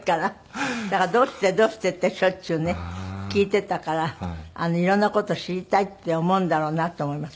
だからどうしてどうしてってしょっちゅうね聞いていたから色んな事を知りたいって思うんだろうなと思います。